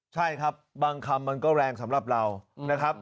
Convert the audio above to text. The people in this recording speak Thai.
ใช่ครับบางคำมันก็แรงสำหรับเรานะครับ